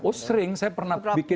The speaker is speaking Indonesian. oh sering saya pernah bikin